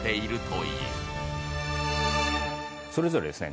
それぞれですね